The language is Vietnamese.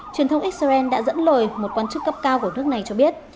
truyền thông israel đã dẫn lời một quan chức cấp cao của nước này cho biết